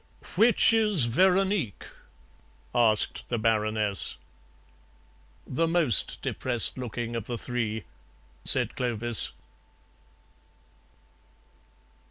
"Which is Veronique?" asked the Baroness. "The most depressed looking of the three," said Clovis.